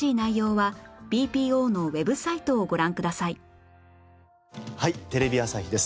『はい！テレビ朝日です』